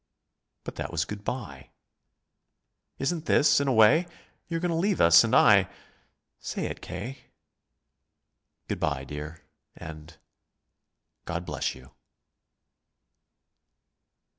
"But that was good bye." "Isn't this, in a way? You are going to leave us, and I say it, K." "Good bye, dear, and God bless you."